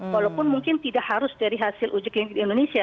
walaupun mungkin tidak harus dari hasil ujikan di indonesia